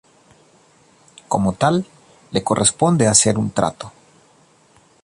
Como tal, le corresponde hacer un trato.